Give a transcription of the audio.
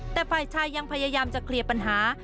แต่ฝ่ายชายยังพยายามจะเคลียร์ปัญหา